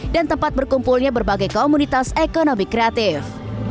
dan tempat berkumpulnya berbagai komunitas ekonomi kreatif